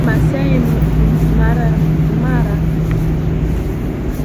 Maasai Mara mwaka elfu moja mia tisa tisini na sita Kihistoria Wamaasai ni watu